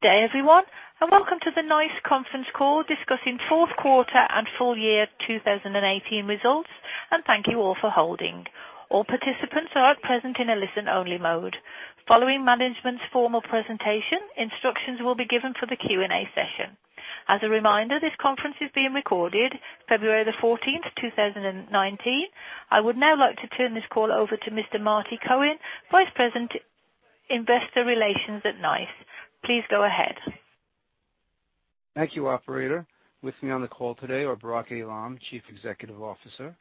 Good day everyone. Welcome to the NICE conference call discussing Fourth Quarter and Full Year 2018 Results. Thank you all for holding. All participants are at present in a listen-only mode. Following management's formal presentation, instructions will be given for the Q&A session. As a reminder, this conference is being recorded February 14th, 2019. I would now like to turn this call over to Mr. Marty Cohen, Vice President, Investor Relations at NICE. Please go ahead. Thank you, operator. With me on the call today are Barak Eilam, Chief Executive Officer,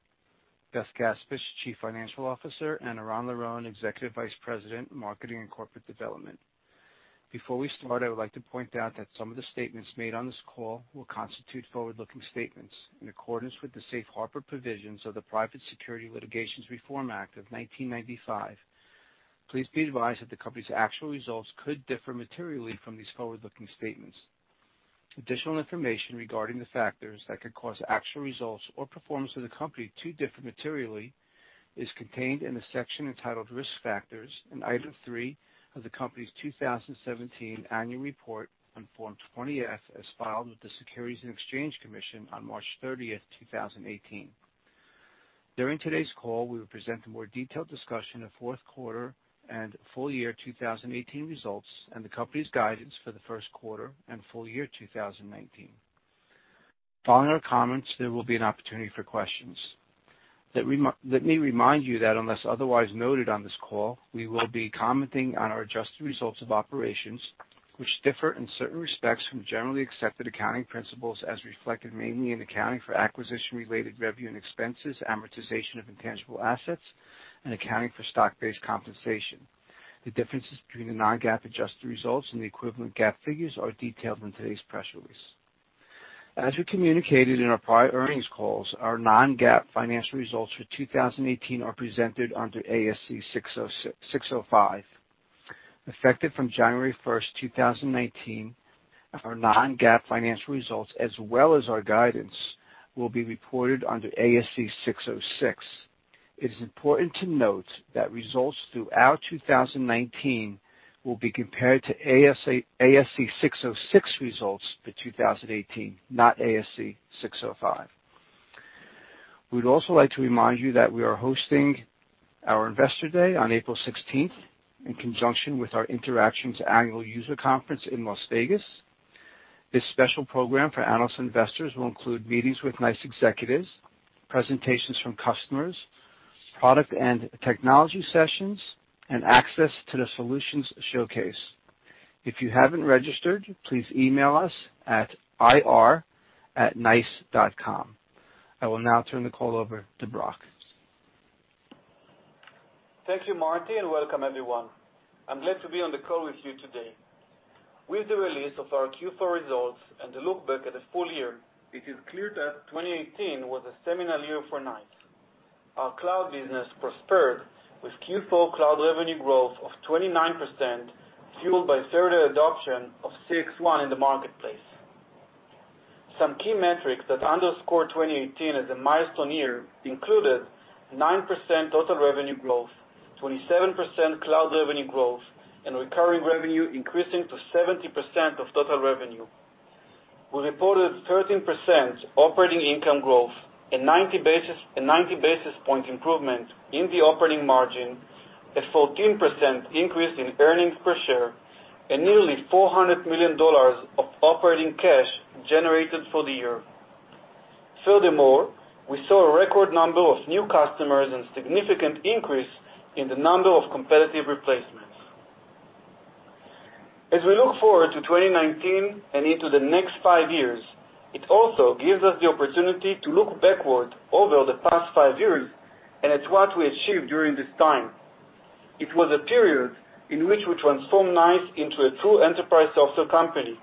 Beth Gaspich, Chief Financial Officer, and Eran Liron, Executive Vice President, Marketing and Corporate Development. Before we start, I would like to point out that some of the statements made on this call will constitute forward-looking statements, in accordance with the safe harbor provisions of the Private Securities Litigation Reform Act of 1995. Please be advised that the company's actual results could differ materially from these forward-looking statements. Additional information regarding the factors that could cause actual results or performance of the company to differ materially is contained in the section entitled Risk Factors in Item 3 of the company's 2017 annual report on Form 20-F, as filed with the Securities and Exchange Commission on March 30th, 2018. During today's call, we will present a more detailed discussion of fourth quarter and full year 2018 results and the company's guidance for the first quarter and full year 2019. Following our comments, there will be an opportunity for questions. Let me remind you that unless otherwise noted on this call, we will be commenting on our adjusted results of operations, which differ in certain respects from Generally Accepted Accounting Principles as reflected mainly in accounting for acquisition-related revenue and expenses, amortization of intangible assets, and accounting for stock-based compensation. The differences between the non-GAAP adjusted results and the equivalent GAAP figures are detailed in today's press release. As we communicated in our prior earnings calls, our non-GAAP financial results for 2018 are presented under ASC 605. Effective from January 1st, 2019, our non-GAAP financial results, as well as our guidance, will be reported under ASC 606. It is important to note that results throughout 2019 will be compared to ASC 606 results for 2018, not ASC 605. We'd also like to remind you that we are hosting our Investor Day on April 16th, in conjunction with our Interactions Annual User Conference in Las Vegas. This special program for analysts and investors will include meetings with NICE executives, presentations from customers, product and technology sessions, and access to the solutions showcase. If you haven't registered, please email us at ir@nice.com. I will now turn the call over to Barak. Thank you, Marty, and welcome everyone. I'm glad to be on the call with you today. With the release of our Q4 results and the look back at the full year, it is clear that 2018 was a seminal year for NICE. Our cloud business prospered with Q4 cloud revenue growth of 29%, fueled by further adoption of CXone in the marketplace. Some key metrics that underscore 2018 as a milestone year included 9% total revenue growth, 27% cloud revenue growth, and recurring revenue increasing to 70% of total revenue. We reported 13% operating income growth, a 90 basis point improvement in the operating margin, a 14% increase in earnings per share, and nearly $400 million of operating cash generated for the year. Furthermore, we saw a record number of new customers and significant increase in the number of competitive replacements. As we look forward to 2019 and into the next five years, it also gives us the opportunity to look backward over the past five years and at what we achieved during this time. It was a period in which we transformed NICE into a true enterprise software company.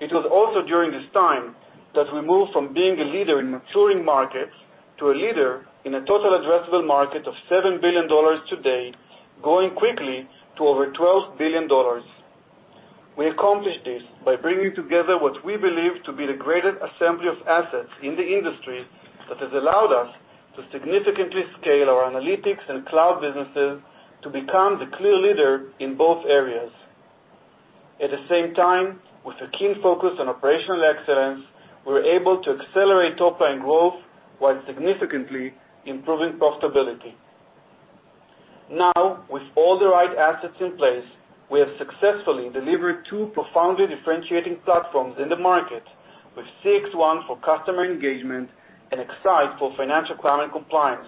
It was also during this time that we moved from being a leader in maturing markets to a leader in a total addressable market of $7 billion today, growing quickly to over $12 billion. We accomplished this by bringing together what we believe to be the greatest assembly of assets in the industry that has allowed us to significantly scale our analytics and cloud businesses to become the clear leader in both areas. At the same time, with a keen focus on operational excellence, we're able to accelerate top-line growth while significantly improving profitability. Now, with all the right assets in place, we have successfully delivered two profoundly differentiating platforms in the market with CXone for customer engagement and Actimize for financial crime and compliance.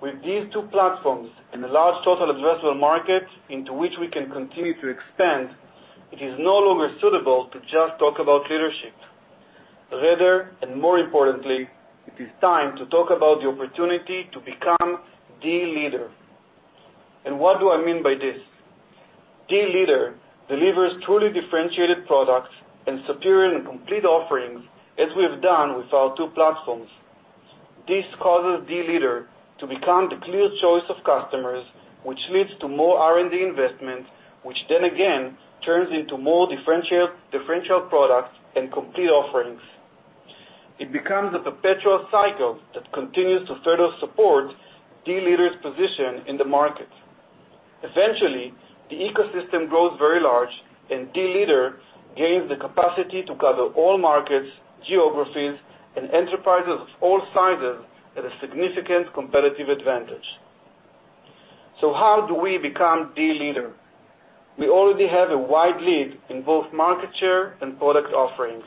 With these two platforms and the large total addressable market into which we can continue to expand, it is no longer suitable to just talk about leadership. Rather, and more importantly, it is time to talk about the opportunity to become the leader. What do I mean by this? The leader delivers truly differentiated products and superior and complete offerings as we have done with our two platforms. This causes the leader to become the clear choice of customers, which leads to more R&D investment, which then again turns into more differentiated products and complete offerings. It becomes a perpetual cycle that continues to further support the leader's position in the market. Eventually, the ecosystem grows very large, and the leader gains the capacity to cover all markets, geographies, and enterprises of all sizes at a significant competitive advantage. How do we become the leader? We already have a wide lead in both market share and product offerings.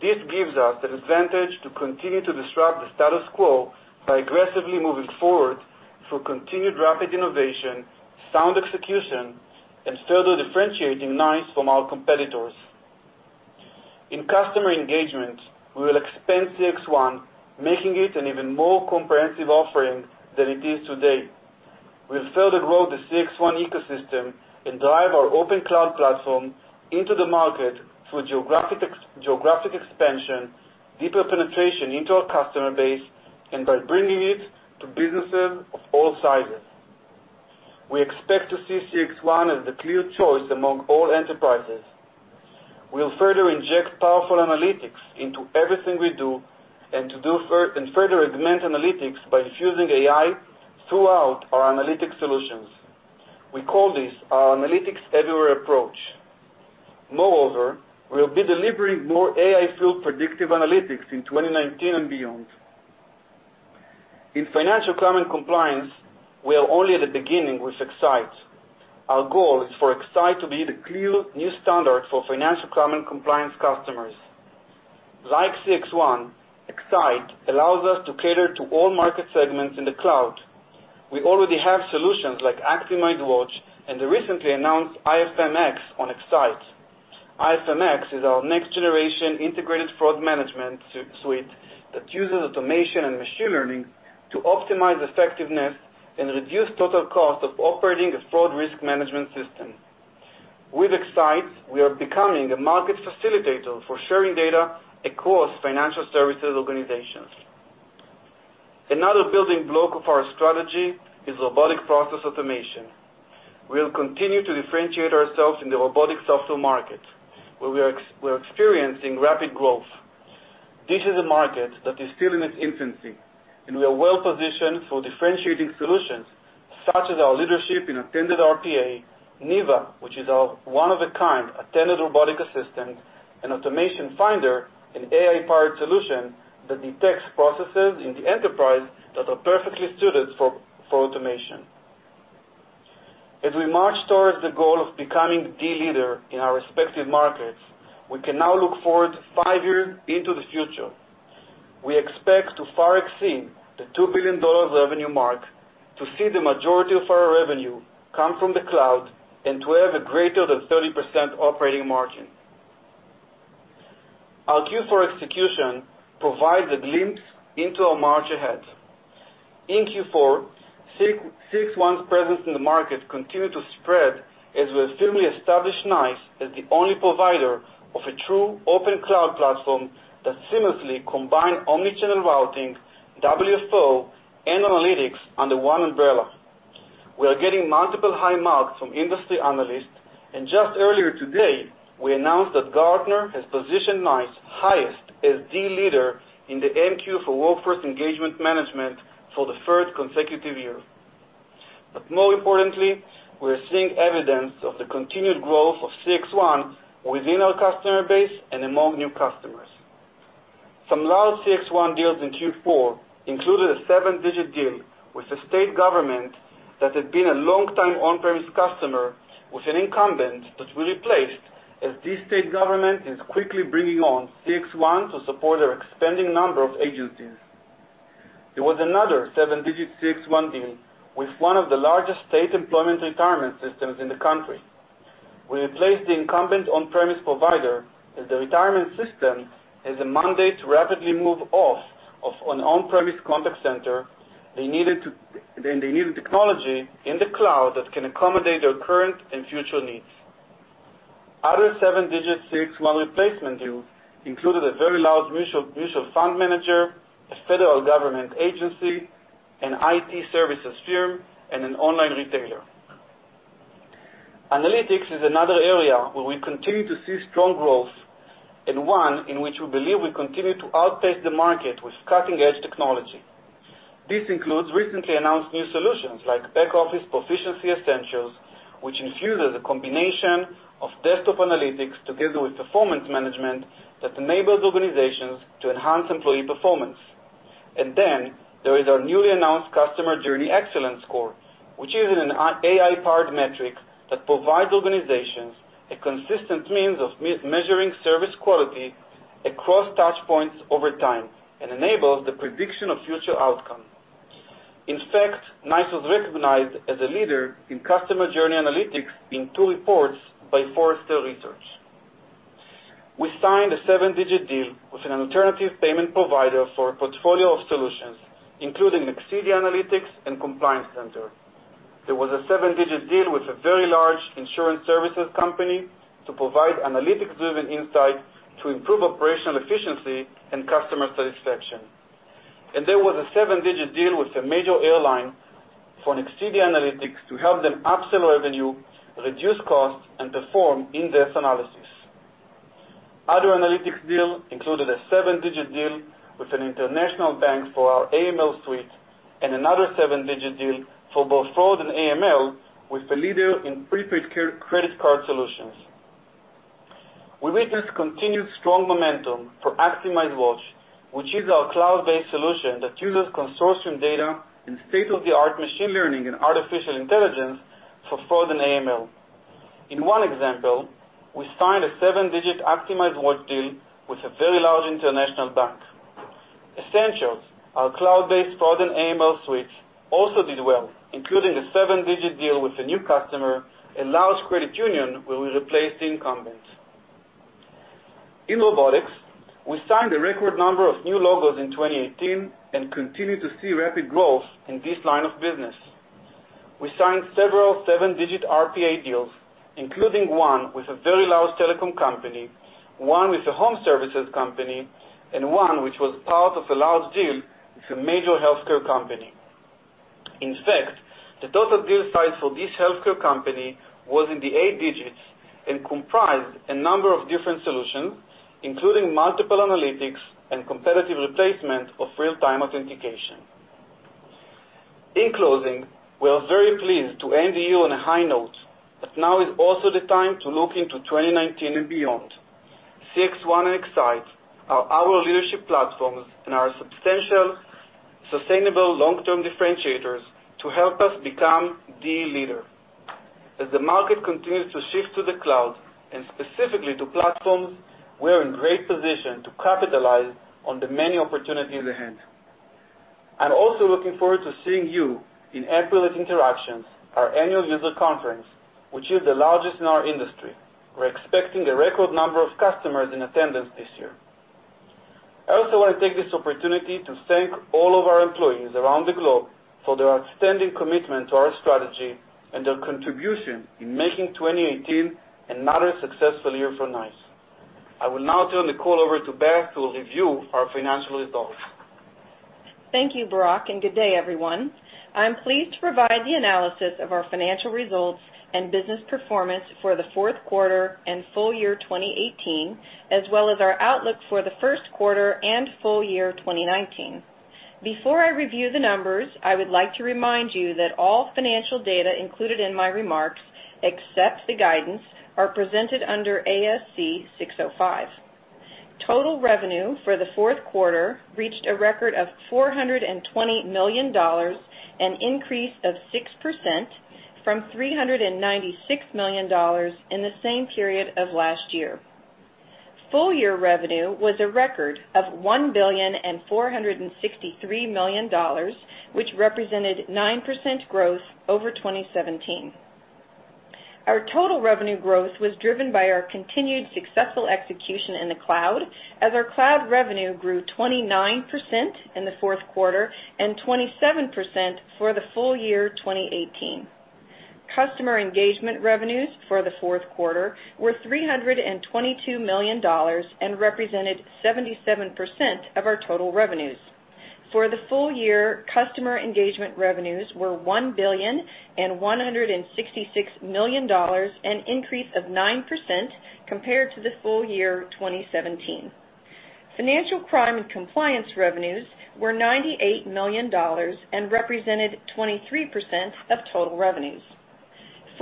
This gives us the advantage to continue to disrupt the status quo by aggressively moving forward through continued rapid innovation, sound execution, and further differentiating NICE from our competitors. In customer engagement, we will expand CXone, making it an even more comprehensive offering than it is today. We'll further grow the CXone ecosystem and drive our open cloud platform into the market through geographic expansion, deeper penetration into our customer base, and by bringing it to businesses of all sizes. We expect to see CXone as the clear choice among all enterprises. We'll further inject powerful analytics into everything we do and further augment analytics by infusing AI throughout our analytic solutions. We call this our analytics everywhere approach. Moreover, we'll be delivering more AI-fueled predictive analytics in 2019 and beyond. In financial crime and compliance, we are only at the beginning with X-Sight. Our goal is for X-Sight to be the clear new standard for financial crime and compliance customers. Like CXone, X-Sight allows us to cater to all market segments in the cloud. We already have solutions like ActimizeWatch and the recently announced IFM-X on X-Sight. IFM-X is our next-generation integrated fraud management suite that uses automation and machine learning to optimize effectiveness and reduce total cost of operating a fraud risk management system. With X-Sight, we are becoming a market facilitator for sharing data across financial services organizations. Another building block of our strategy is robotic process automation. We'll continue to differentiate ourselves in the robotic software market, where we're experiencing rapid growth. This is a market that is still in its infancy, and we are well-positioned for differentiating solutions, such as our leadership in attended RPA, NEVA, which is our one-of-a-kind attended robotic assistant, and Automation Finder, an AI-powered solution that detects processes in the enterprise that are perfectly suited for automation. As we march towards the goal of becoming the leader in our respective markets, we can now look forward five years into the future. We expect to far exceed the $2 billion revenue mark, to see the majority of our revenue come from the cloud, and to have a greater than 30% operating margin. Our Q4 execution provides a glimpse into our march ahead. In Q4, CXone's presence in the market continued to spread as we firmly established NICE as the only provider of a true open cloud platform that seamlessly combine omnichannel routing, WFO, and analytics under one umbrella. We are getting multiple high marks from industry analysts. Just earlier today, we announced that Gartner has positioned NICE highest as the leader in the MQ for Workforce Engagement Management for the third consecutive year. More importantly, we're seeing evidence of the continued growth of CXone within our customer base and among new customers. Some large CXone deals in Q4 included a seven-digit deal with a state government that had been a long-time on-premise customer with an incumbent that we replaced as this state government is quickly bringing on CXone to support their expanding number of agencies. There was another seven-digit CXone deal with one of the largest state employment retirement systems in the country. We replaced the incumbent on-premise provider, as the retirement system has a mandate to rapidly move off of an on-premise contact center. They needed technology in the cloud that can accommodate their current and future needs. Other seven-digit CXone replacement deals included a very large mutual fund manager, a federal government agency, an IT services firm, and an online retailer. Analytics is another area where we continue to see strong growth and one in which we believe we continue to outpace the market with cutting-edge technology. This includes recently announced new solutions like Back Office Performance Essentials, which infuses a combination of desktop analytics together with performance management that enables organizations to enhance employee performance. There is our newly announced Customer Journey Excellence Score, which is an AI-powered metric that provides organizations a consistent means of measuring service quality across touchpoints over time and enables the prediction of future outcomes. In fact, NICE was recognized as a Leader in customer journey analytics in two reports by Forrester Research. We signed a seven-digit deal with an alternative payment provider for a portfolio of solutions, including Nexidia Analytics and Compliance Center. There was a seven-digit deal with a very large insurance services company to provide analytics-driven insight to improve operational efficiency and customer satisfaction. There was a seven-digit deal with a major airline for Nexidia Analytics to help them upsell revenue, reduce costs, and perform in-depth analysis. Other analytics deals included a seven-digit deal with an international bank for our AML suite, and another seven-digit deal for both fraud and AML with a Leader in prepaid credit card solutions. We witnessed continued strong momentum for ActimizeWatch, which is our cloud-based solution that uses consortium data and state-of-the-art machine learning and artificial intelligence for fraud and AML. In one example, we signed a seven-digit ActimizeWatch deal with a very large international bank. Essentials, our cloud-based fraud and AML suite, also did well, including a seven-digit deal with a new customer, a large credit union where we replaced the incumbent. In robotics, we signed a record number of new logos in 2018 and continue to see rapid growth in this line of business. We signed several seven-digit RPA deals, including one with a very large telecom company, one with a home services company, and one which was part of a large deal with a major healthcare company. In fact, the total deal size for this healthcare company was in the eight digits and comprised a number of different solutions, including multiple analytics and competitive replacement of real-time authentication. In closing, we are very pleased to end the year on a high note. Now is also the time to look into 2019 and beyond. CXone and X-Sight are our leadership platforms and our substantial, sustainable long-term differentiators to help us become the leader. As the market continues to shift to the cloud, and specifically to platforms, we are in great position to capitalize on the many opportunities at hand. I'm also looking forward to seeing you in Amplified Interactions, our annual user conference, which is the largest in our industry. We're expecting a record number of customers in attendance this year. I also want to take this opportunity to thank all of our employees around the globe for their outstanding commitment to our strategy and their contribution in making 2018 another successful year for NICE. I will now turn the call over to Beth, who will review our financial results. Thank you, Barak, and good day, everyone. I'm pleased to provide the analysis of our financial results and business performance for the fourth quarter and full year 2018, as well as our outlook for the first quarter and full year 2019. Before I review the numbers, I would like to remind you that all financial data included in my remarks, except the guidance, are presented under ASC 605. Total revenue for the fourth quarter reached a record of $420 million, an increase of 6% from $396 million in the same period of last year. Full-year revenue was a record of $1.463 billion, which represented 9% growth over 2017. Our total revenue growth was driven by our continued successful execution in the cloud, as our cloud revenue grew 29% in the fourth quarter and 27% for the full year 2018. Customer engagement revenues for the fourth quarter were $322 million and represented 77% of our total revenues. For the full year, customer engagement revenues were $1.166 billion, an increase of 9% compared to the full year 2017. Financial crime and compliance revenues were $98 million and represented 23% of total revenues.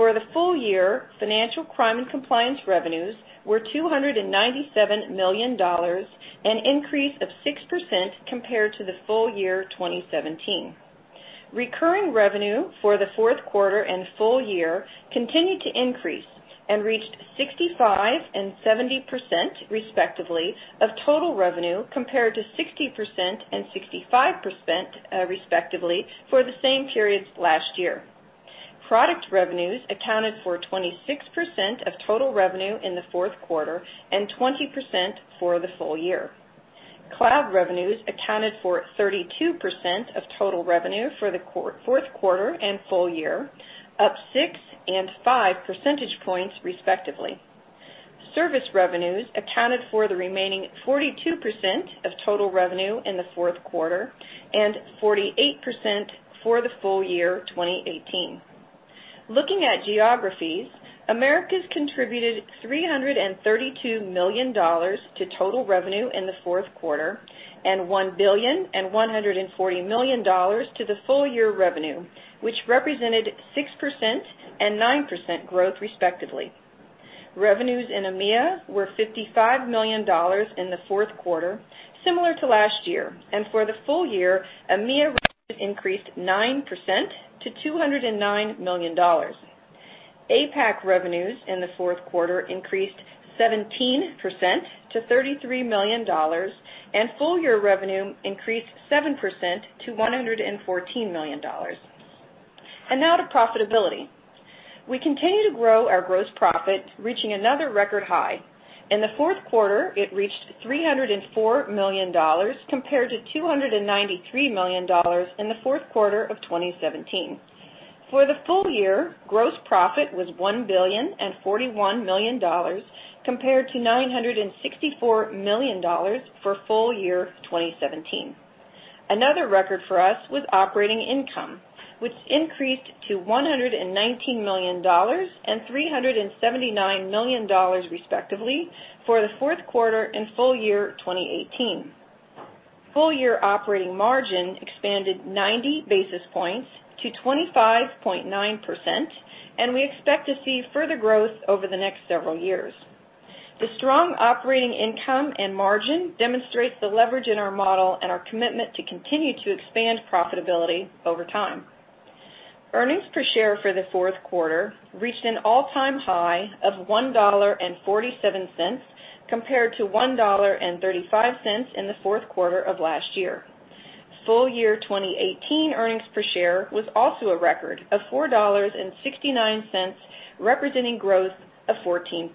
For the full year, financial crime and compliance revenues were $297 million, an increase of 6% compared to the full year 2017. Recurring revenue for the fourth quarter and full year continued to increase and reached 65% and 70%, respectively, of total revenue compared to 60% and 65%, respectively, for the same periods last year. Product revenues accounted for 26% of total revenue in the fourth quarter and 20% for the full year. Cloud revenues accounted for 32% of total revenue for the fourth quarter and full year, up six and five percentage points, respectively. Service revenues accounted for the remaining 42% of total revenue in the fourth quarter and 48% for the full year 2018. Looking at geographies, Americas contributed $332 million to total revenue in the fourth quarter and $1.140 billion to the full year revenue, which represented 6% and 9% growth, respectively. Revenues in EMEA were $55 million in the fourth quarter, similar to last year. For the full year, EMEA revenues increased 9% to $209 million. APAC revenues in the fourth quarter increased 17% to $33 million, and full-year revenue increased 7% to $114 million. Now to profitability. We continue to grow our gross profit, reaching another record high. In the fourth quarter, it reached $304 million compared to $293 million in the fourth quarter of 2017. For the full year, gross profit was $1.041 billion, compared to $964 million for full year 2017. Another record for us was operating income, which increased to $119 million and $379 million respectively for the fourth quarter and full year 2018. Full year operating margin expanded 90 basis points to 25.9%, and we expect to see further growth over the next several years. The strong operating income and margin demonstrates the leverage in our model and our commitment to continue to expand profitability over time. Earnings per share for the fourth quarter reached an all-time high of $1.47 compared to $1.35 in the fourth quarter of last year. Full year 2018 earnings per share was also a record of $4.69, representing growth of 14%.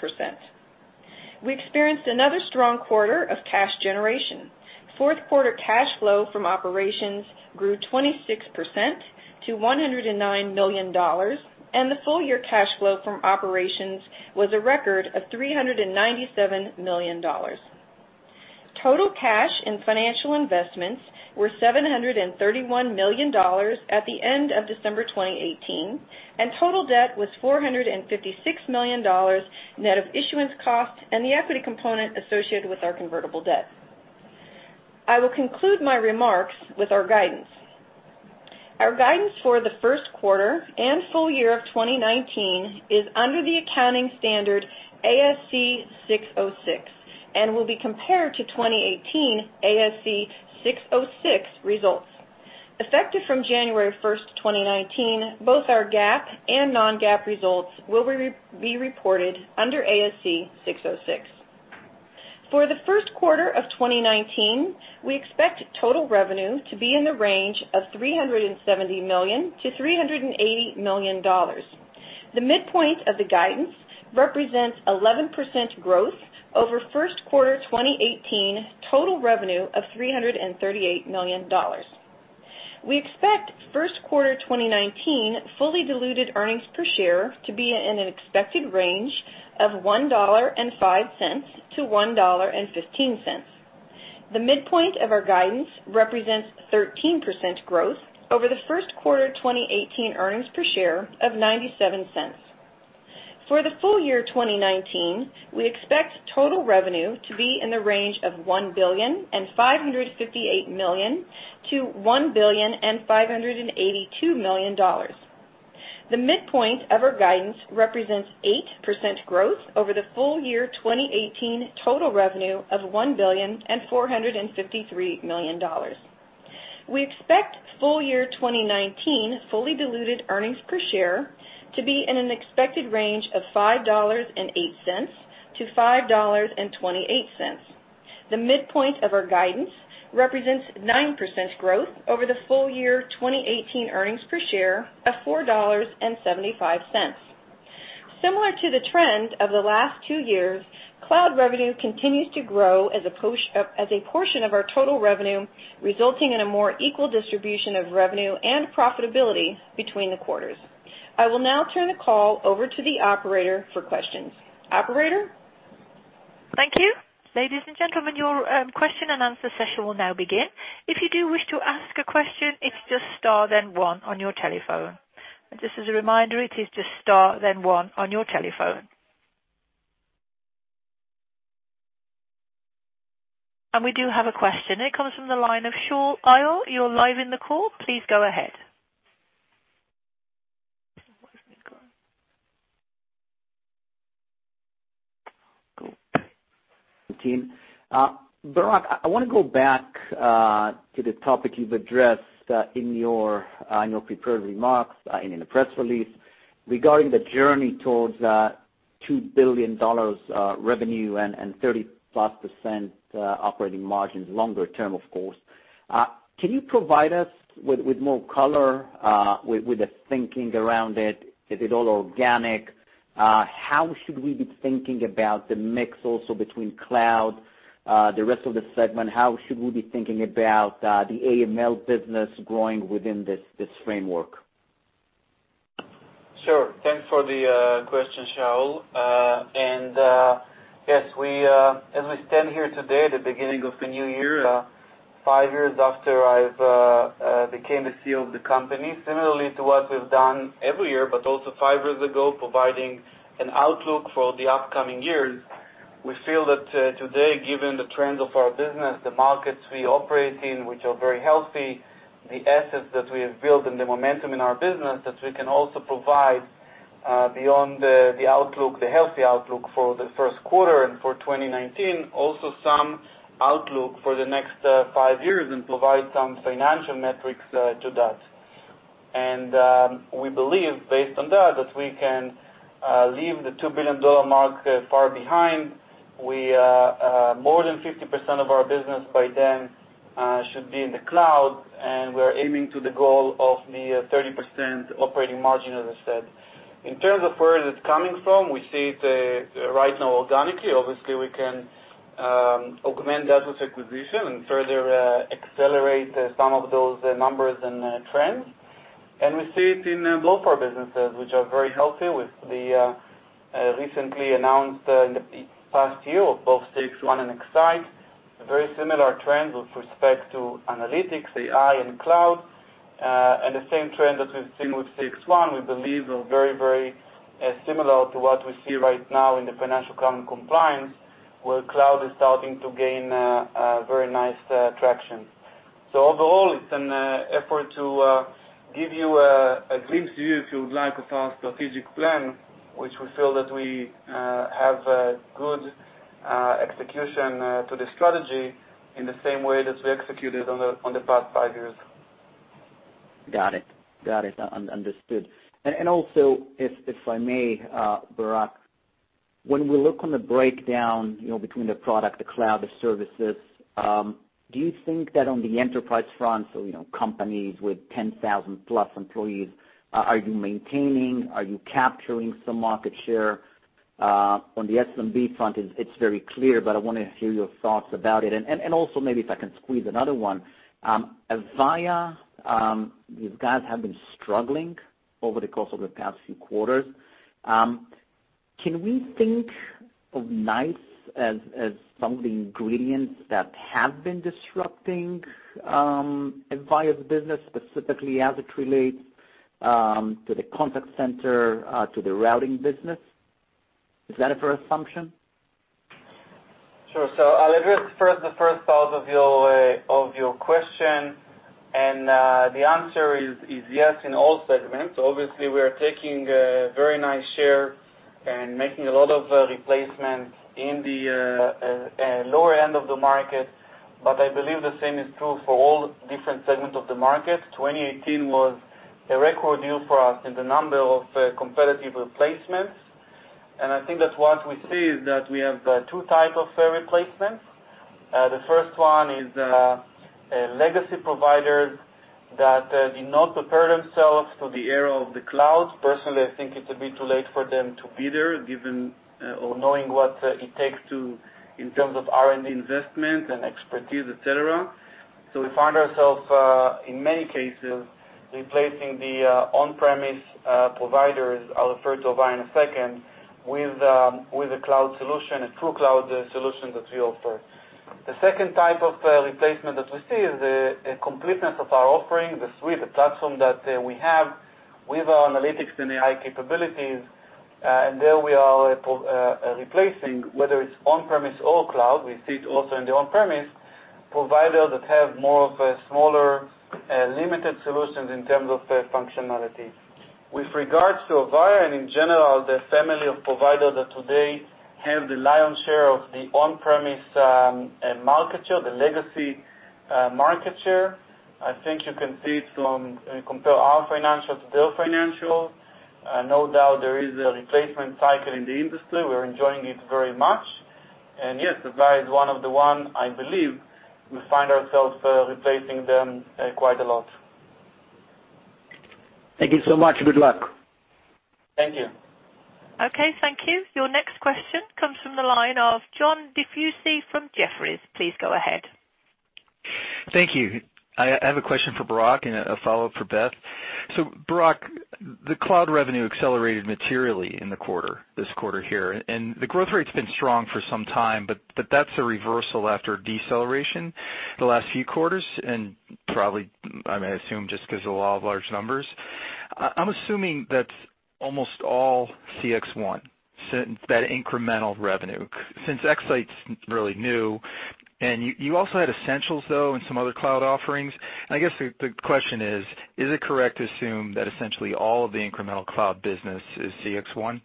We experienced another strong quarter of cash generation. Fourth quarter cash flow from operations grew 26% to $109 million, and the full year cash flow from operations was a record of $397 million. Total cash and financial investments were $731 million at the end of December 2018, and total debt was $456 million, net of issuance costs and the equity component associated with our convertible debt. I will conclude my remarks with our guidance. Our guidance for the first quarter and full year of 2019 is under the accounting standard ASC 606 and will be compared to 2018 ASC 606 results. Effective from January 1st, 2019, both our GAAP and non-GAAP results will be reported under ASC 606. For the first quarter of 2019, we expect total revenue to be in the range of $370 million to $380 million. The midpoint of the guidance represents 11% growth over first quarter 2018 total revenue of $338 million. We expect first quarter 2019 fully diluted earnings per share to be in an expected range of $1.05 to $1.15. The midpoint of our guidance represents 13% growth over the first quarter 2018 earnings per share of $0.97. For the full year 2019, we expect total revenue to be in the range of $1,558 million to $1,582 million. The midpoint of our guidance represents 8% growth over the full year 2018 total revenue of $1,453 million. We expect full year 2019 fully diluted earnings per share to be in an expected range of $5.08 to $5.28. The midpoint of our guidance represents 9% growth over the full year 2018 earnings per share of $4.75. Similar to the trend of the last two years, cloud revenue continues to grow as a portion of our total revenue, resulting in a more equal distribution of revenue and profitability between the quarters. I will now turn the call over to the operator for questions. Operator? Thank you. Ladies and gentlemen, your question and answer session will now begin. If you do wish to ask a question, it's just star then one on your telephone. Just as a reminder, it is just star then one on your telephone. We do have a question. It comes from the line of Shaul Eyal. You're live in the call. Please go ahead. Where's my call? Cool. Team. Barak, I want to go back to the topic you've addressed in your annual prepared remarks and in the press release regarding the journey towards $2 billion revenue and 30%+ operating margins longer-term, of course. Can you provide us with more color, with the thinking around it? Is it all organic? How should we be thinking about the mix also between cloud, the rest of the segment? How should we be thinking about the AML business growing within this framework? Sure. Thanks for the question, Shaul. Yes, as we stand here today, the beginning of the new year, five years after I've became the CEO of the company, similarly to what we've done every year, but also five years ago, providing an outlook for the upcoming years, we feel that today, given the trends of our business, the markets we operate in, which are very healthy, the assets that we have built and the momentum in our business, that we can also provide, beyond the healthy outlook for the first quarter and for 2019, also some outlook for the next five years and provide some financial metrics to that. We believe, based on that we can leave the $2 billion mark far behind. More than 50% of our business by then should be in the cloud, and we're aiming to the goal of the 30% operating margin, as I said. In terms of where that's coming from, we see it right now organically. Obviously, we can augment that with acquisition and further accelerate some of those numbers and trends. We see it in the global businesses, which are very healthy with the recently announced in the past year of both CXone and X-Sight. Very similar trends with respect to analytics, AI, and cloud. The same trend that we've seen with CXone, we believe, are very similar to what we see right now in the financial crime compliance, where cloud is starting to gain a very nice traction. Overall, it's an effort to give you a glimpse view, if you would like, of our strategic plan, which we feel that we have a good execution to the strategy in the same way that we executed on the past five years. Got it. Understood. Also, if I may, Barak, when we look on the breakdown between the product, the cloud, the services, do you think that on the enterprise front, so companies with 10,000 plus employees, are you maintaining, are you capturing some market share? On the SMB front, it's very clear, but I want to hear your thoughts about it. Also maybe if I can squeeze another one. Avaya, these guys have been struggling over the course of the past few quarters. Can we think of NICE as some of the ingredients that have been disrupting Avaya's business, specifically as it relates to the contact center, to the routing business? Is that a fair assumption? Sure. I'll address first the first part of your question, and the answer is yes in all segments. Obviously, we are taking a very nice share and making a lot of replacement in the lower end of the market. I believe the same is true for all different segments of the market. 2018 was a record year for us in the number of competitive replacements. I think that what we see is that we have two type of replacements. The first one is a legacy provider that did not prepare themselves for the era of the cloud. Personally, I think it a bit too late for them to be there, given or knowing what it takes to, in terms of R&D investment and expertise, et cetera. We find ourselves, in many cases, replacing the on-premise providers, I'll refer to Avaya in a second, with a cloud solution, a true cloud solution that we offer. The second type of replacement that we see is the completeness of our offering, the suite, the platform that we have with our analytics and AI capabilities. There we are replacing whether it's on-premise or cloud, we see it also in the on-premise, providers that have more of a smaller, limited solutions in terms of functionality. With regards to Avaya and in general, the family of providers that today have the lion's share of the on-premise market share, the legacy market share, I think you can see it compare our financials to their financials. No doubt there is a replacement cycle in the industry. We're enjoying it very much. Yes, Avaya is one of the, I believe, we find ourselves replacing them quite a lot. Thank you so much. Good luck. Thank you. Okay, thank you. Your next question comes from the line of John DiFucci from Jefferies. Please go ahead. Thank you. I have a question for Barak and a follow-up for Beth. Barak, the cloud revenue accelerated materially in the quarter, this quarter here, and the growth rate's been strong for some time, but that's a reversal after deceleration the last few quarters, and probably, I assume, just because of the law of large numbers. I'm assuming that's almost all CXone, that incremental revenue, since X-Sight's really new. You also had Essentials, though, and some other cloud offerings. I guess the question is it correct to assume that essentially all of the incremental cloud business is CXone?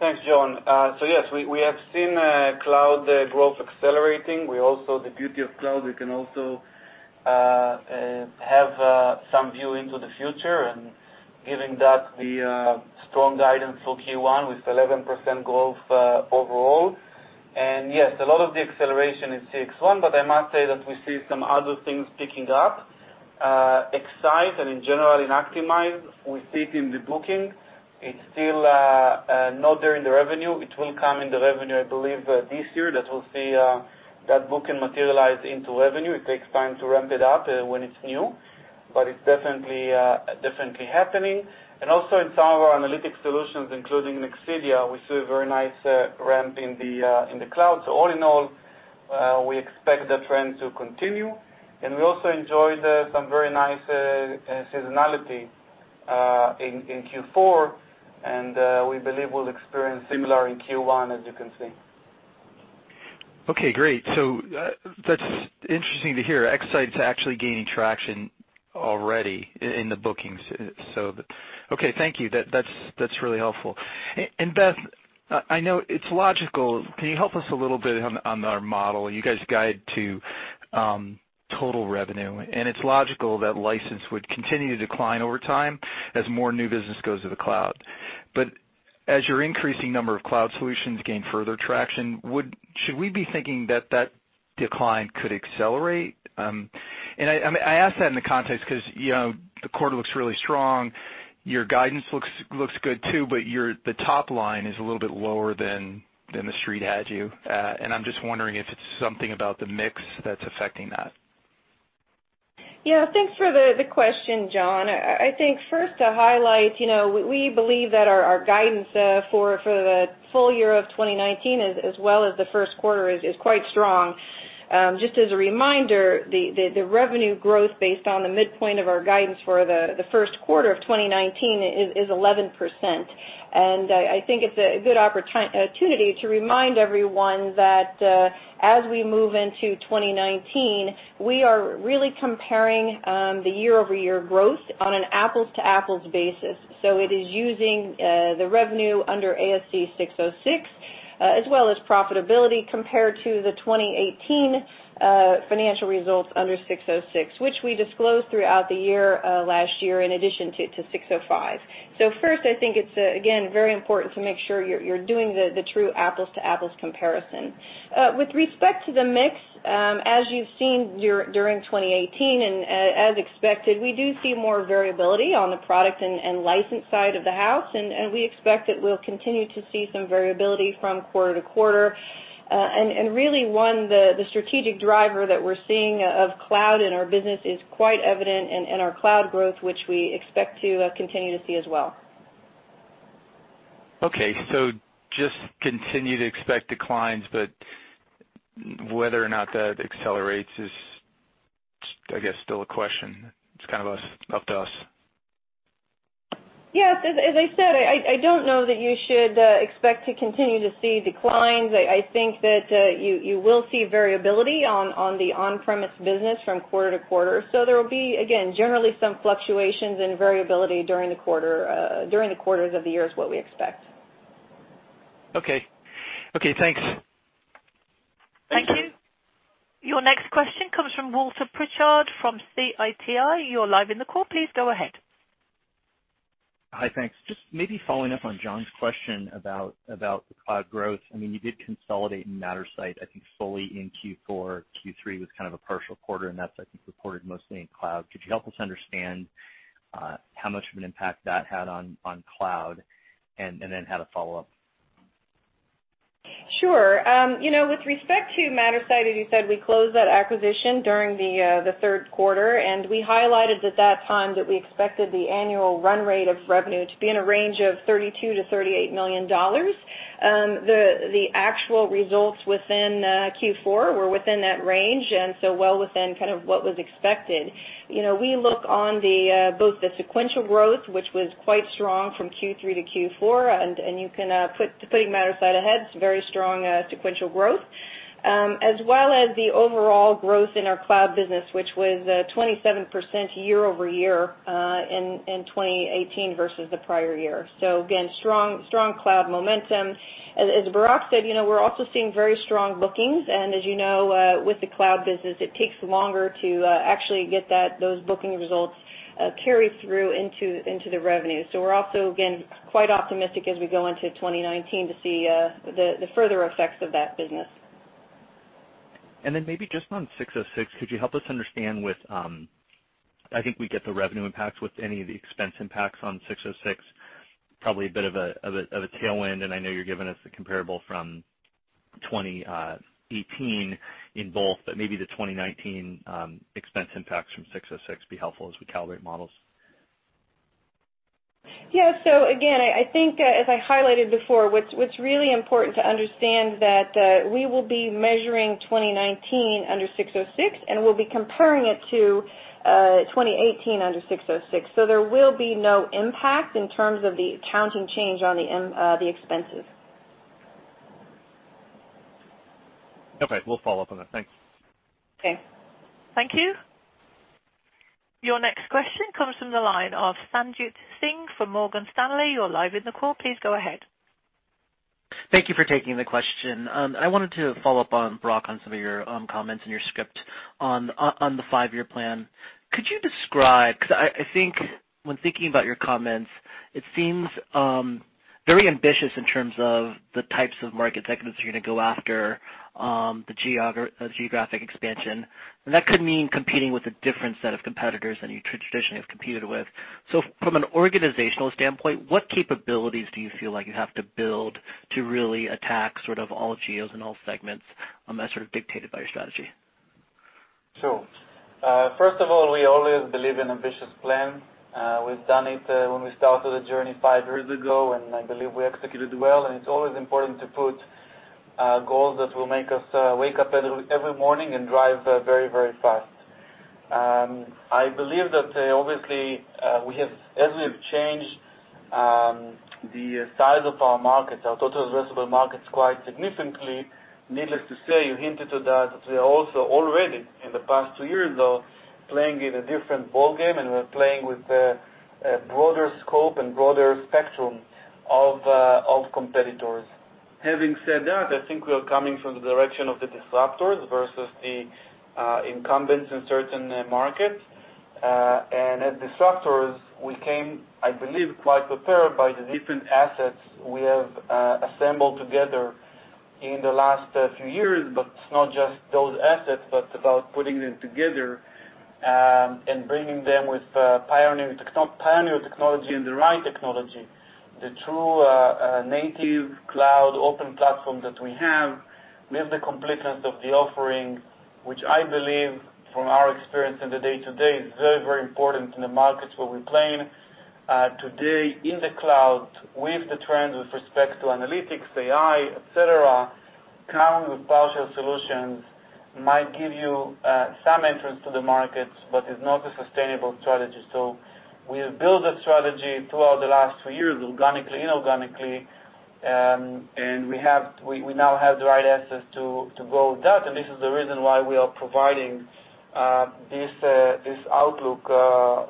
Thanks, John. Yes, we have seen cloud growth accelerating. The beauty of cloud, we can also have some view into the future and giving that the strong guidance for Q1 with 11% growth overall. Yes, a lot of the acceleration is CXone, I must say that we see some other things picking up. X-Sight and in general, in Optimize, we see it in the booking. It's still not there in the revenue. It will come in the revenue, I believe, this year, that we'll see that booking materialize into revenue. It takes time to ramp it up when it's new. It's definitely happening. Also in some of our analytic solutions, including Nexidia, we see a very nice ramp in the cloud. all in all, we expect the trend to continue, and we also enjoyed some very nice seasonality in Q4, and we believe we'll experience similar in Q1, as you can see. Okay, great. That's interesting to hear. X-Sight is actually gaining traction already in the bookings. Okay, thank you. That's really helpful. Beth, I know it's logical. Can you help us a little bit on our model? You guys guide to total revenue, and it's logical that license would continue to decline over time as more new business goes to the cloud. As your increasing number of cloud solutions gain further traction, should we be thinking that that decline could accelerate? I ask that in the context because the quarter looks really strong. Your guidance looks good too, but the top line is a little bit lower than the Street had you. I'm just wondering if it's something about the mix that's affecting that. Yeah. Thanks for the question, John. I think first to highlight, we believe that our guidance for the full year of 2019, as well as the first quarter, is quite strong. Just as a reminder, the revenue growth based on the midpoint of our guidance for the first quarter of 2019 is 11%. I think it's a good opportunity to remind everyone that as we move into 2019, we are really comparing the year-over-year growth on an apples-to-apples basis. It is using the revenue under ASC 606 as well as profitability compared to the 2018 financial results under 606, which we disclosed throughout the year last year in addition to 605. First, I think it's again very important to make sure you're doing the true apples-to-apples comparison. With respect to the mix, as you've seen during 2018, as expected, we do see more variability on the product and license side of the house, we expect that we'll continue to see some variability from quarter-to-quarter. Really, the strategic driver that we're seeing of cloud in our business is quite evident in our cloud growth, which we expect to continue to see as well. Okay. Just continue to expect declines, but whether or not that accelerates is, I guess, still a question. It's kind of up to us. Yes. As I said, I don't know that you should expect to continue to see declines. I think that you will see variability on the on-premise business from quarter-to-quarter. There will be, again, generally some fluctuations and variability during the quarters of the year is what we expect. Okay. Thanks. Thank you. Thank you. Your next question comes from Walter Pritchard from Citi. You're live in the call. Please go ahead. Hi, thanks. Just maybe following up on John's question about the cloud growth. You did consolidate Mattersight, I think, fully in Q4. Q3 was kind of a partial quarter, and that's, I think, reported mostly in cloud. Could you help us understand how much of an impact that had on cloud? Then had a follow-up. Sure. With respect to Mattersight, as you said, we closed that acquisition during the third quarter, and we highlighted at that time that we expected the annual run rate of revenue to be in a range of $32 million to $38 million. The actual results within Q4 were within that range, well within what was expected. We look on both the sequential growth, which was quite strong from Q3 to Q4, putting Mattersight ahead, it's very strong sequential growth as well as the overall growth in our cloud business, which was 27% year-over-year in 2018 versus the prior year. Again, strong cloud momentum. As Barak said, we're also seeing very strong bookings, as you know with the cloud business, it takes longer to actually get those booking results carry through into the revenue. We're also, again, quite optimistic as we go into 2019 to see the further effects of that business. Maybe just on 606, could you help us understand I think we get the revenue impacts with any of the expense impacts on 606, probably a bit of a tailwind, and I know you're giving us the comparable from 2018 in both, but maybe the 2019 expense impacts from 606 be helpful as we calibrate models. Yeah. Again, I think as I highlighted before, what's really important to understand that we will be measuring 2019 under 606, and we'll be comparing it to 2018 under 606. There will be no impact in terms of the accounting change on the expenses. Okay. We'll follow up on that. Thanks. Okay. Thank you. Your next question comes from the line of Sanjit Singh from Morgan Stanley. You're live in the call. Please go ahead. Thank you for taking the question. I wanted to follow up on Barak on some of your comments in your script on the five-year plan. Could you describe, because I think when thinking about your comments, it seems very ambitious in terms of the types of market segments you're going to go after, the geographic expansion. That could mean competing with a different set of competitors than you traditionally have competed with. From an organizational standpoint, what capabilities do you feel like you have to build to really attack sort of all geos and all segments as sort of dictated by your strategy? Sure. First of all, we always believe in ambitious plan. We've done it when we started the journey five years ago, I believe we executed well, it's always important to put goals that will make us wake up every morning and drive very fast. I believe that obviously, as we have changed the size of our markets, our total addressable markets quite significantly, needless to say, you hinted to that we are also already in the past two years, though, playing in a different ballgame, we're playing with a broader scope and broader spectrum of competitors. Having said that, I think we are coming from the direction of the disruptors versus the incumbents in certain markets. As disruptors, we came, I believe, quite prepared by the different assets we have assembled together in the last few years. It's not just those assets, but about putting them together, bringing them with pioneer technology and the right technology. The true native cloud open platform that we have with the completeness of the offering, which I believe from our experience in the day-to-day, is very important in the markets where we play in today in the cloud with the trends with respect to analytics, AI, et cetera. Coming with partial solutions might give you some entrance to the markets, it's not a sustainable strategy. We have built that strategy throughout the last two years, organically, inorganically, we now have the right assets to go with that. This is the reason why we are providing this outlook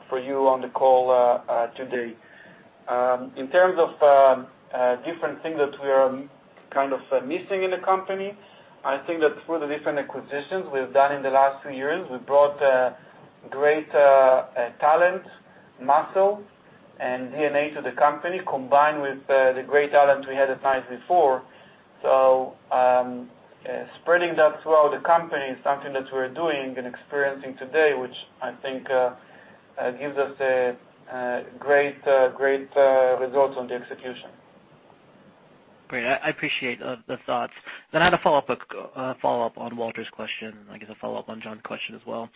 for you on the call today. In terms of different things that we are kind of missing in the company, I think that through the different acquisitions we've done in the last two years, we've brought great talent, muscle and DNA to the company, combined with the great talent we had at NICE before. Spreading that throughout the company is something that we're doing and experiencing today, which I think, gives us great results on the execution. Great. I appreciate the thoughts. I had a follow-up on Walter's question. I guess, a follow-up on John's question as well.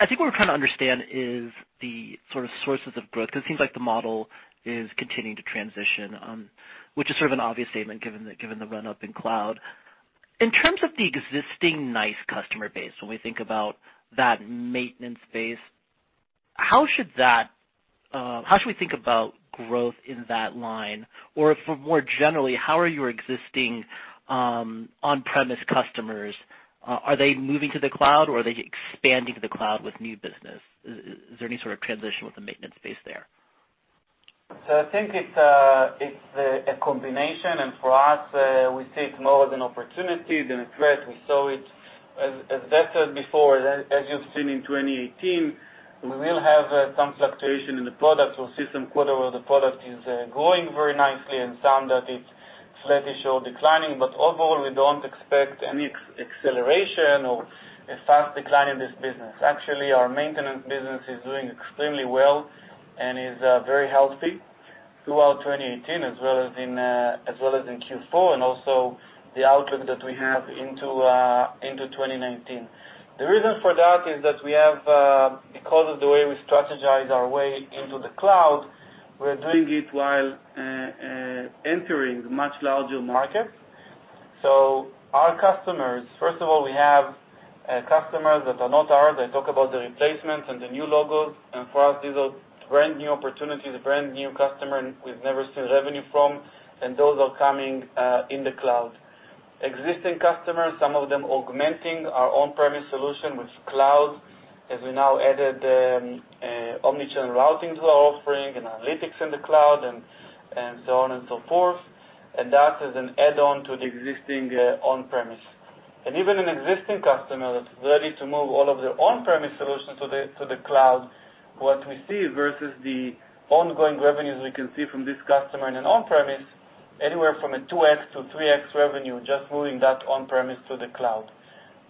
I think what we're trying to understand is the sort of sources of growth, because it seems like the model is continuing to transition, which is sort of an obvious statement given the run-up in cloud. In terms of the existing NICE customer base, when we think about that maintenance base, how should we think about growth in that line? Or for more generally, how are your existing on-premise customers, are they moving to the cloud or are they expanding to the cloud with new business? Is there any sort of transition with the maintenance base there? I think it's a combination. For us, we see it more as an opportunity than a threat. We saw it as vetted before. As you've seen in 2018, we will have some fluctuation in the products. We will see some quarter where the product is growing very nicely and some that it's flattish or declining. Overall, we don't expect any acceleration or a fast decline in this business. Actually, our maintenance business is doing extremely well and is very healthy throughout 2018 as well as in Q4 and also the outlook that we have into 2019. The reason for that is that because of the way we strategize our way into the cloud, we're doing it while entering much larger markets. Our customers, first of all, we have customers that are not ours. I talk about the replacements and the new logos. For us, these are brand-new opportunities, brand-new customer we've never seen revenue from, and those are coming in the cloud. Existing customers, some of them augmenting our on-premise solution with cloud, as we now added omnichannel routing to our offering and analytics in the cloud and so on and so forth. That is an add-on to the existing on-premise. Even an existing customer that's ready to move all of their on-premise solutions to the cloud, what we see versus the ongoing revenues we can see from this customer in an on-premise, anywhere from a 2x-3x revenue, just moving that on-premise to the cloud.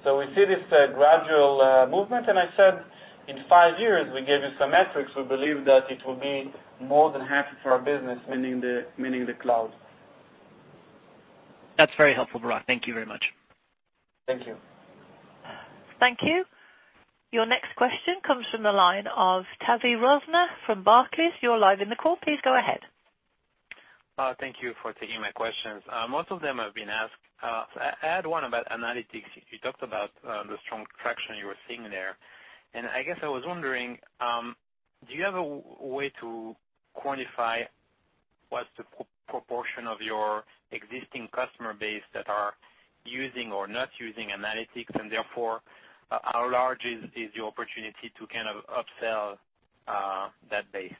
We see this gradual movement, and I said in five years, we gave you some metrics. We believe that it will be more than half of our business, meaning the cloud. That's very helpful, Barak. Thank you very much. Thank you. Thank you. Your next question comes from the line of Tavy Rosner from Barclays. You're live in the call. Please go ahead. Thank you for taking my questions. Most of them have been asked. I had one about analytics. You talked about the strong traction you were seeing there. I guess I was wondering, do you have a way to quantify what's the proportion of your existing customer base that are using or not using analytics, and therefore, how large is the opportunity to kind of upsell that base?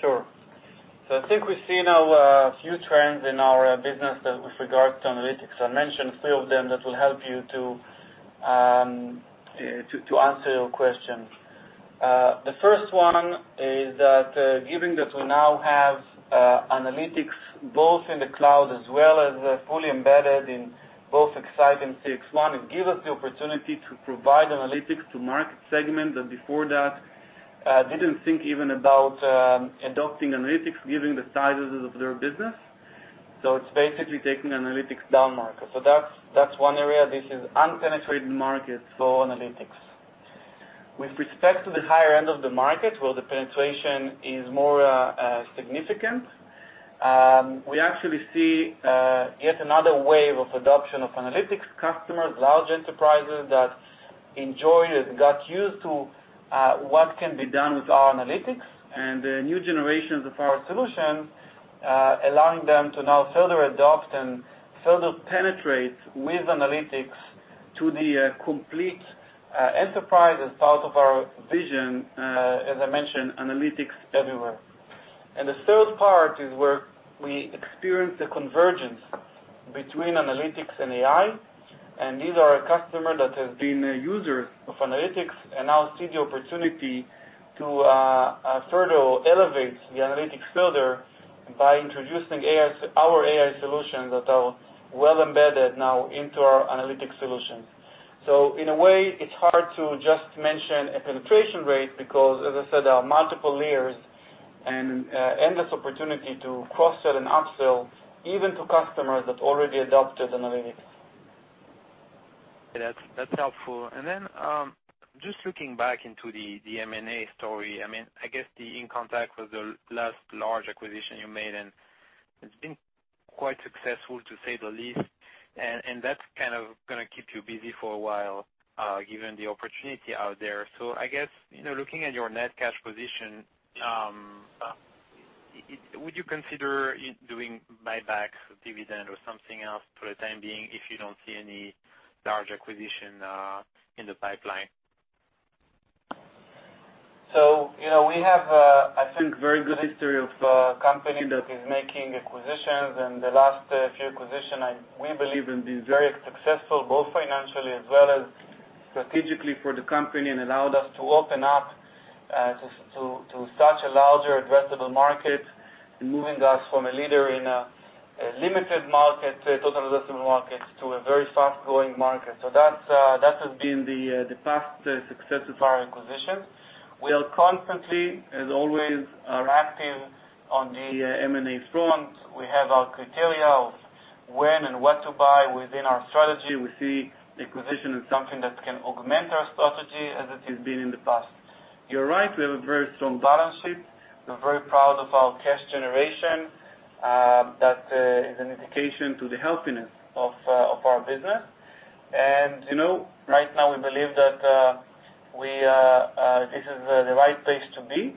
Sure. I think we've seen a few trends in our business with regard to analytics. I'll mention a few of them that will help you to answer your question. The first one is that given that we now have analytics both in the cloud as well as fully embedded in both X-Sight and CXone, it give us the opportunity to provide analytics to market segments that before that, didn't think even about adopting analytics given the sizes of their business. It's basically taking analytics down market. That's one area. This is unpenetrated markets for analytics. With respect to the higher end of the market, where the penetration is more significant, we actually see yet another wave of adoption of analytics customers, large enterprises that enjoyed and got used to what can be done with our analytics and the new generations of our solutions, allowing them to now further adopt and further penetrate with analytics to the complete enterprise as part of our vision, as I mentioned, analytics everywhere. The third part is where we experience the convergence between analytics and AI. These are a customer that has been a user of analytics and now see the opportunity to further elevate the analytics further by introducing our AI solutions that are well embedded now into our analytic solutions. In a way, it's hard to just mention a penetration rate because, as I said, there are multiple layers and endless opportunity to cross-sell and up-sell, even to customers that already adopted analytics. That's helpful. Then, just looking back into the M&A story, I guess the inContact was the last large acquisition you made, and it's been quite successful, to say the least. That's going to keep you busy for a while, given the opportunity out there. I guess, looking at your net cash position, would you consider doing buybacks, dividend, or something else for the time being if you don't see any large acquisition in the pipeline? We have, I think, very good history of a company that is making acquisitions, and the last few acquisition, we believe, have been very successful, both financially as well as strategically for the company and allowed us to open up to such a larger addressable market, moving us from a leader in a limited market to total addressable market, to a very fast-growing market. That has been the past success of our acquisitions. We are constantly, as always, are active on the M&A front. We have our criteria of when and what to buy within our strategy. We see acquisition as something that can augment our strategy as it has been in the past. You're right, we have a very strong balance sheet. We're very proud of our cash generation. That is an indication to the healthiness of our business. Right now, we believe that this is the right place to be,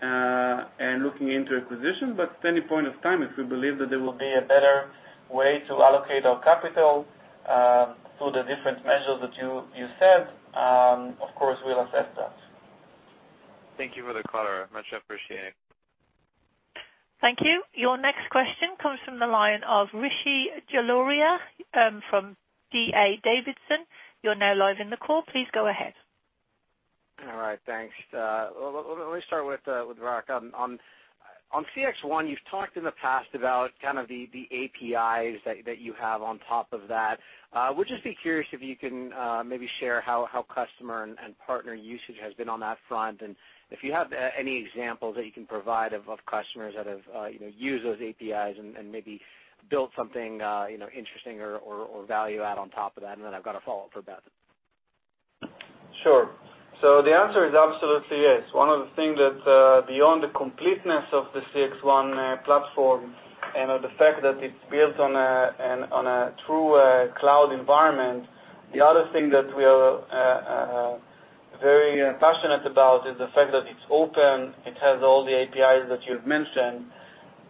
and looking into acquisition. Any point of time, if we believe that there will be a better way to allocate our capital, to the different measures that you said, of course, we'll assess that. Thank you for the color. Much appreciated. Thank you. Your next question comes from the line of Rishi Jaluria from D.A. Davidson. You're now live in the call. Please go ahead. All right. Thanks. Let me start with Barak. On CXone, you've talked in the past about kind of the APIs that you have on top of that. Would just be curious if you can maybe share how customer and partner usage has been on that front, and if you have any examples that you can provide of customers that have used those APIs and maybe built something interesting or value add on top of that, and then I've got a follow-up for Beth. Sure. The answer is absolutely yes. One of the things that, beyond the completeness of the CXone platform and of the fact that it's built on a true cloud environment, the other thing that we are very passionate about is the fact that it's open, it has all the APIs that you've mentioned,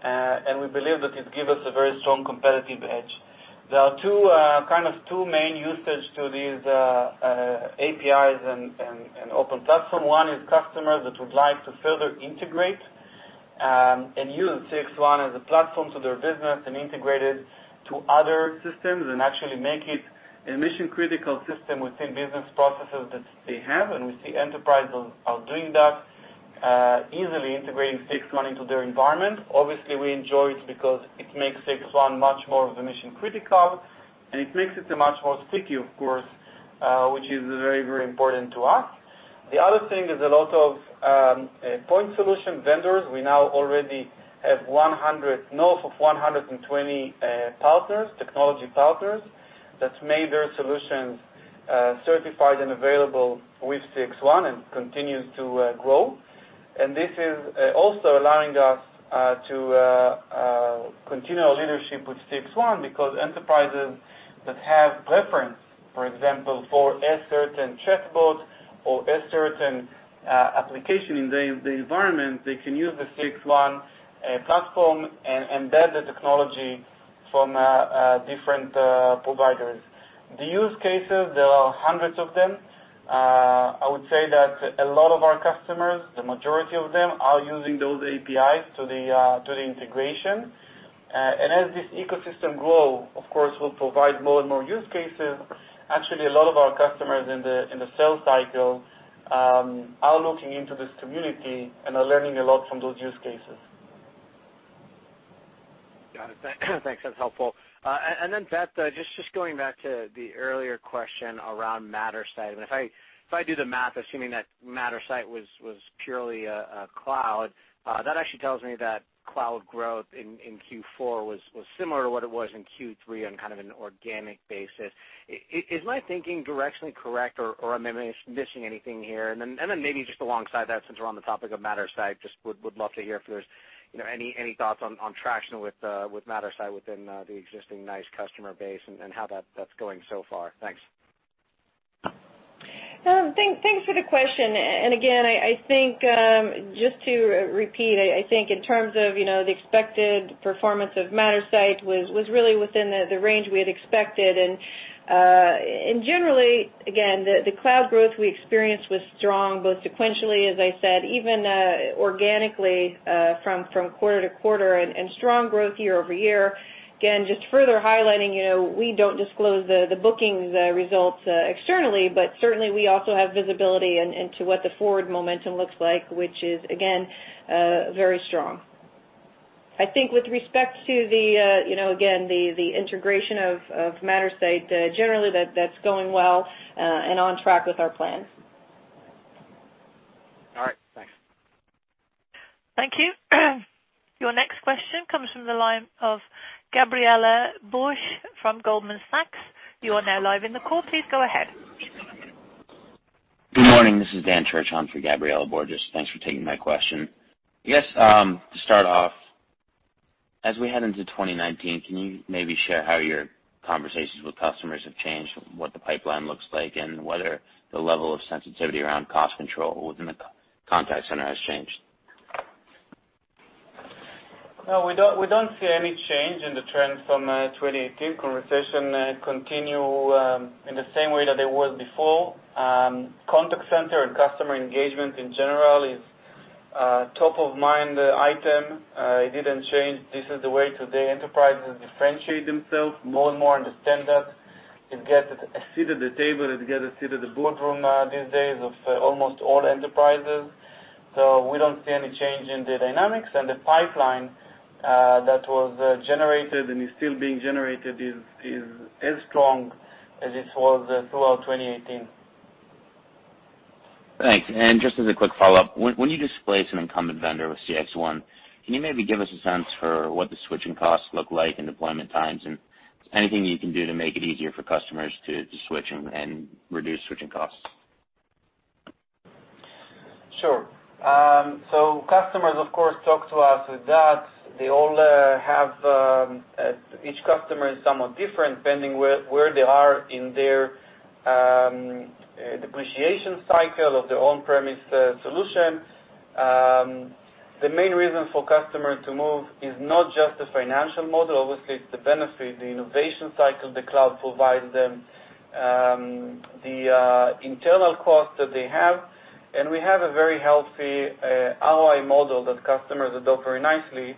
and we believe that it gives us a very strong competitive edge. There are two main usages to these APIs and open platform. One is customers that would like to further integrate, and use CXone as a platform to their business and integrate it to other systems and actually make it a mission-critical system within business processes that they have. We see enterprises are doing that, easily integrating CXone into their environment. Obviously, we enjoy it because it makes CXone much more of a mission-critical, and it makes it a much more sticky, of course, which is very, very important to us. The other thing is a lot of point solution vendors. We now already have north of 120 partners, technology partners, that's made their solutions certified and available with CXone and continues to grow. This is also allowing us to continue our leadership with CXone because enterprises that have preference, for example, for a certain chatbot or a certain application in the environment, they can use the CXone platform and embed the technology from different providers. The use cases, there are hundreds of them. I would say that a lot of our customers, the majority of them, are using those APIs to the integration. As this ecosystem grows, of course, we'll provide more and more use cases. Actually, a lot of our customers in the sales cycle, are looking into this community and are learning a lot from those use cases. Got it. Thanks. That's helpful. Then Beth, just going back to the earlier question around Mattersight. If I do the math, assuming that Mattersight was purely a cloud, that actually tells me that cloud growth in Q4 was similar to what it was in Q3 on kind of an organic basis. Is my thinking directionally correct, or am I missing anything here? Then maybe just alongside that, since we're on the topic of Mattersight, just would love to hear if there's any thoughts on traction with Mattersight within the existing NICE customer base and how that's going so far. Thanks. Thanks for the question. Again, just to repeat, I think in terms of the expected performance of Mattersight was really within the range we had expected. Generally, again, the cloud growth we experienced was strong both sequentially, as I said, even organically from quarter-to-quarter and strong growth year-over-year. Again, just further highlighting, we don't disclose the bookings results externally, but certainly we also have visibility into what the forward momentum looks like, which is again, very strong. I think with respect to, again, the integration of Mattersight, generally that's going well and on track with our plan. All right. Thanks. Thank you. Your next question comes from the line of Gabriela Borges from Goldman Sachs. You are now live in the call. Please go ahead. Good morning. This is Daniel Church on for Gabriela Borges. Thanks for taking my question. I guess, to start off, as we head into 2019, can you maybe share how your conversations with customers have changed, what the pipeline looks like, and whether the level of sensitivity around cost control within the contact center has changed? We don't see any change in the trends from 2018. Conversations continue in the same way that they were before. Contact center and customer engagement in general is a top-of-mind item. It didn't change. This is the way today enterprises differentiate themselves, more and more understand that. It gets a seat at the table, it gets a seat at the boardroom these days of almost all enterprises. We don't see any change in the dynamics. The pipeline that was generated and is still being generated is as strong as it was throughout 2018. Thanks. Just as a quick follow-up, when you displace an incumbent vendor with CXone, can you maybe give us a sense for what the switching costs look like and deployment times, and anything you can do to make it easier for customers to switch and reduce switching costs? Sure. Customers, of course, talk to us with that. Each customer is somewhat different depending where they are in their depreciation cycle of their on-premise solution. The main reason for customers to move is not just the financial model. Obviously, it's the benefit, the innovation cycle the cloud provides them, the internal cost that they have. We have a very healthy ROI model that customers adopt very nicely,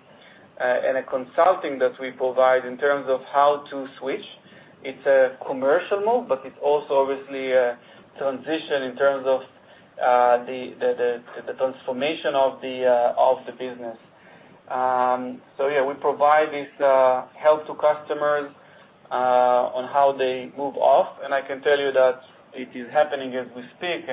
and a consulting that we provide in terms of how to switch. It's a commercial move, but it's also obviously a transition in terms of the transformation of the business. Yeah, we provide this help to customers on how they move off, and I can tell you that it is happening as we speak.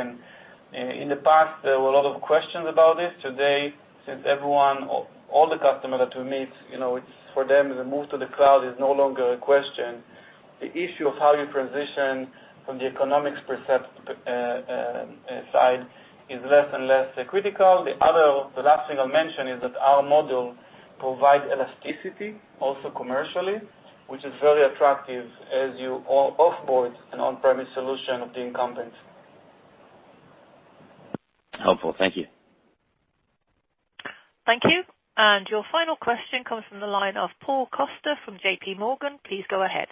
In the past, there were a lot of questions about this. Today, since everyone, all the customers that we meet, for them, the move to the cloud is no longer a question. The issue of how you transition from the economics side is less and less critical. The last thing I'll mention is that our model provides elasticity also commercially, which is very attractive as you off-board an on-premise solution of the incumbent. Helpful. Thank you. Thank you. Your final question comes from the line of Paul Coster from J.P. Morgan. Please go ahead.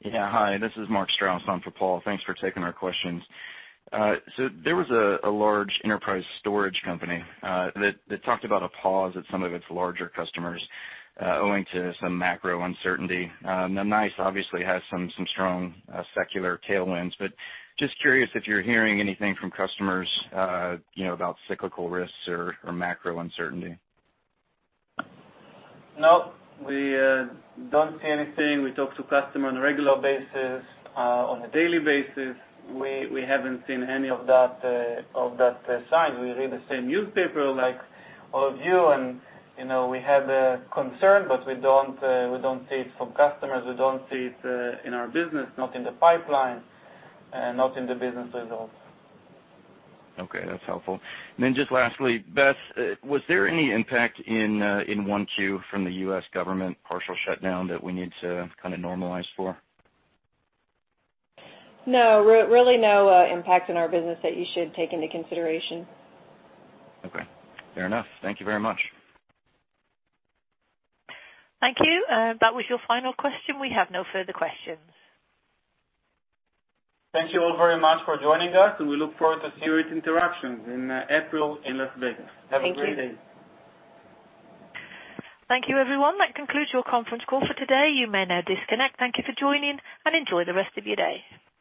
Yeah. Hi, this is Mark Strouse on for Paul. Thanks for taking our questions. There was a large enterprise storage company, that talked about a pause at some of its larger customers, owing to some macro uncertainty. NICE obviously has some strong secular tailwinds, but just curious if you're hearing anything from customers, about cyclical risks or macro uncertainty. No, we don't see anything. We talk to customer on a regular basis, on a daily basis. We haven't seen any of that signs. We read the same newspaper like all of you, and we have the concern, but we don't see it from customers. We don't see it in our business, not in the pipeline, not in the business results. Okay. That's helpful. Just lastly, Beth, was there any impact in 1Q from the U.S. government partial shutdown that we need to kind of normalize for? No, really no impact on our business that you should take into consideration. Okay. Fair enough. Thank you very much. Thank you. That was your final question. We have no further questions. Thank you all very much for joining us. We look forward to serious Interactions in April in Las Vegas. Have a great day. Thank you. Thank you, everyone. That concludes your conference call for today. You may now disconnect. Thank you for joining. Enjoy the rest of your day.